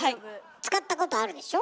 使ったことあるでしょ？